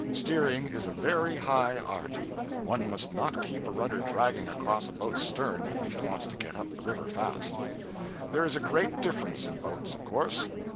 Steering is a very high art. One must not keep a rudder dragging across a boat's stem if he wants to get up the river fast. There is a great difference in boats, of course.